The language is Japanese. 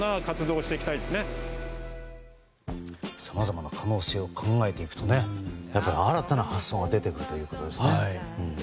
さまざまな可能性を考えていくとね新たな発想が出てくるということですね。